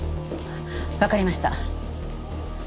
わかりました。